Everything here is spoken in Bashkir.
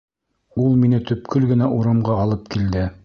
Ул мине төпкөл генә урамға алып килде.